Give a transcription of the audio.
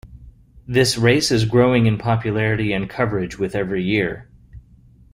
This race is growing in popularity and coverage with every year.